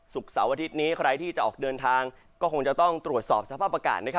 เสาร์อาทิตย์นี้ใครที่จะออกเดินทางก็คงจะต้องตรวจสอบสภาพอากาศ